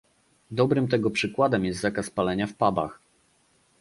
Dobrym tego przykładem jest zakaz palenia w pubach